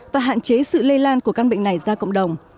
và hạn chế sự lây lan của căn bệnh này ra cộng đồng